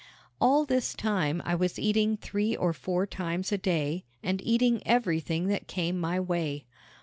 All this time I was eating three or four times a day and eating everything that came my way.